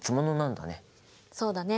そうだね。